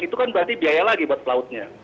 itu kan berarti biaya lagi buat pelautnya